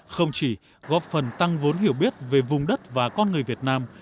không chỉ góp phần tăng vốn hiểu biết về vùng đất và con người việt nam